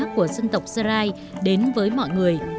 của dân tộc sarai đến với mọi người